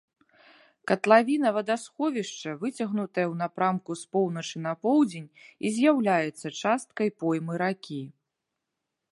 Катлавіна вадасховішча выцягнутая ў напрамку з поўначы на поўдзень і з'яўляецца часткай поймы ракі.